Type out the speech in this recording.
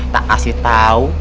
tak kasih tau